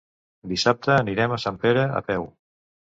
Dissabte anirem a Sempere a peu.